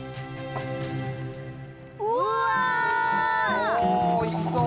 ああおいしそう！